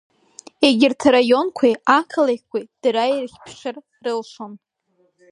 Егьырҭ араионқәеи ақалақьқәеи дара ирыхьԥшыр рылшон.